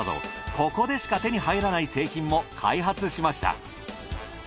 ここでしか手に入らない製品も開発しました。